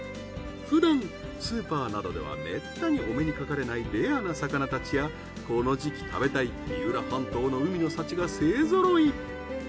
ふだんスーパーなどではめったにお目にかかれないレアな魚たちやこの時季食べたい三浦半島の海の幸が勢ぞろい。